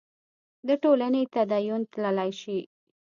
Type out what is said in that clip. د ټولنې تدین تللای شي.